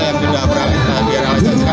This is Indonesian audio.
yang sudah di realisasikan